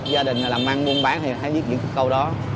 gia đình làm ăn buôn bán thì hãy viết những câu đó